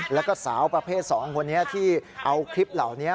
แล้วก็สาวประเภท๒คนนี้ที่เอาคลิปเหล่านี้